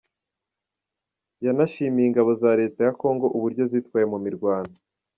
Yanashimiye ingabo za Leta ya Kongo uburyo zitwaye mu mirwano.